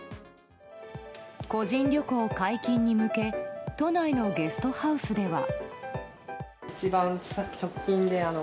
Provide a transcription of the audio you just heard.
個人旅行解禁に向け都内のゲストハウスでは。